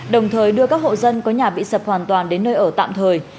đồng thời đưa các hộ dân có nhà bị sập hoàn toàn đến nơi ở tạm thời